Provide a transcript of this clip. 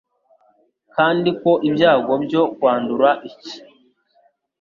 kandi ko ibyago byo kwandura iki